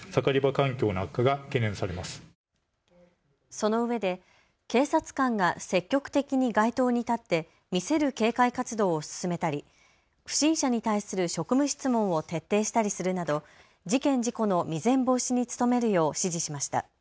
そのうえで警察官が積極的に街頭に立って見せる警戒活動を進めたり、不審者に対する職務質問を徹底したりするなど事件・事故の未然防止に努めるよう指示しました。